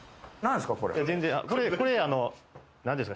何ですか？